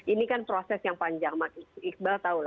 ini kan proses yang panjang mas iqbal tahu